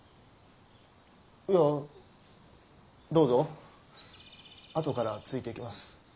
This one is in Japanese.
いやどーぞ！後からついていきます。